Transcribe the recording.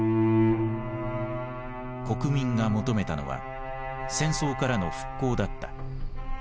国民が求めたのは戦争からの復興だった。